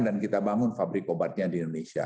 dan kita bangun fabrik obatnya di indonesia